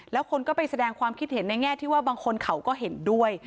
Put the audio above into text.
แล้วคนก็ไปแสดงความคิดเห็นในแง่ที่ว่าบางคนเขาก็เห็นด้วย